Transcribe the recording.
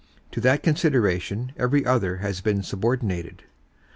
To that consideration every other has been subordinated.